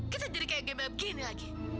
kita jadi kayak gembel begini lagi